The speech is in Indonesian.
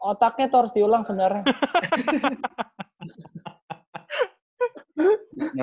otaknya tuh harus diulang sebenernya